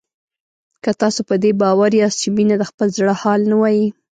که تاسو په دې باور یاست چې مينه د خپل زړه حال نه وايي